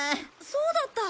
そうだった！